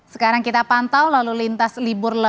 sekarang kita pantau lalu lintas libur lebaran